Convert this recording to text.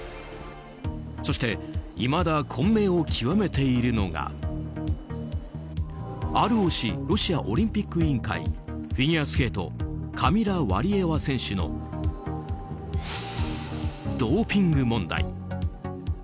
そしていまだ混迷を極めているのがＲＯＣ・ロシアオリンピック委員会フィギュアスケートカミラ・ワリエワ選手のドーピング問題。